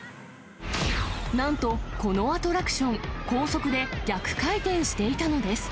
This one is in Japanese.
なんと、このアトラクション、高速で逆回転していたのです。